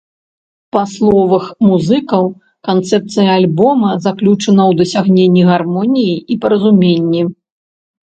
Па словах музыкаў, канцэпцыя альбома заключана ў дасягненні гармоніі і паразуменні.